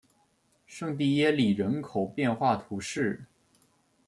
圣蒂耶里人口变化图示